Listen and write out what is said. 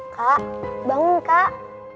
kak bangun kak